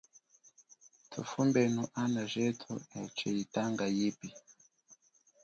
Thufumbenu ana jethu etshee yitanga yipi.